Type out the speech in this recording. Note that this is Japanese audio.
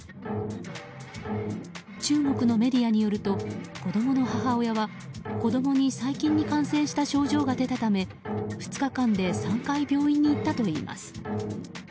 中国のメディアによると子供の母親は子供に細菌に感染した症状が出たため２日間で３回病院に行ったといいます。